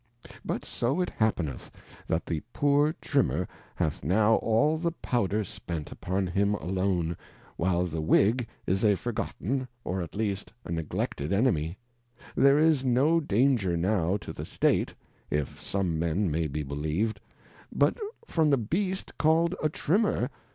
But so it happeneth, that the poor Trimmer hath now all the Powder spent upon him alone, while the Whig is a forgotten, or afteast a neglected Enemy ; there is no danger now to the State (if some Men may be believed) but from the Beast called a Trimmer.